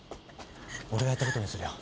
俺がやった事にするよ。